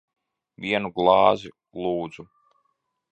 Vienu glāzi. Lūdzu.